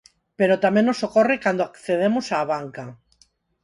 Pero tamén nos ocorre cando accedemos á banca.